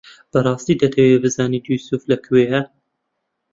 بەڕاستی دەتەوێت بزانیت یووسف لەکوێیە؟